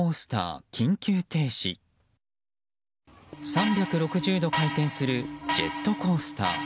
３６０度回転するジェットコースター。